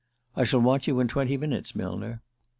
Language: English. "I shall want you in twenty minutes, Millner."